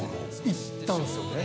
行ったんすよね